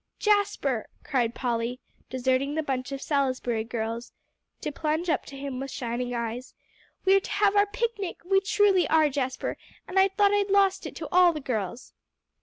"Jasper," cried Polly, deserting the bunch of "Salisbury girls," to plunge up to him with shining eyes, "we're to have our picnic; we truly are, Jasper, and I thought I'd lost it to all the girls."